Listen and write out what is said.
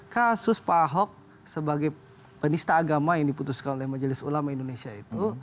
kasus pak ahok sebagai penista agama yang diputuskan oleh majelis ulama indonesia itu